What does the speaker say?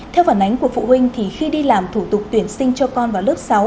theo phản ánh của phụ huynh thì khi đi làm thủ tục tuyển sinh cho con vào lớp sáu